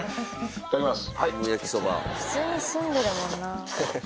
いただきます。